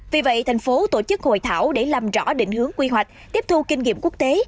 vì vậy thành phố tổ chức hội thảo để làm rõ định hướng quy hoạch tiếp thu kinh nghiệm quốc tế